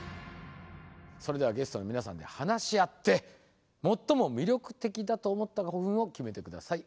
それではゲストの皆さんで話し合って最も魅力的だと思った古墳を決めてください。